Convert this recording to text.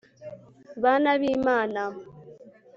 bana b'imana